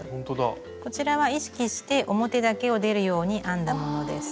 こちらは意識して表だけを出るように編んだものです。